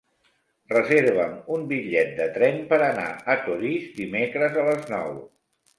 Reserva'm un bitllet de tren per anar a Torís dimecres a les nou.